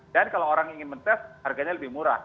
dan kalau orang ingin men test harganya lebih murah